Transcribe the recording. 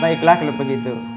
baiklah kalo begitu